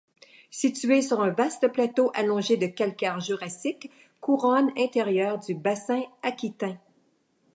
Située sur un vaste plateau allongé de calcaire jurassique, couronne intérieure du Bassin aquitain.